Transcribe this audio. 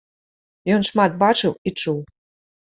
Ён шмат бачыў і чуў.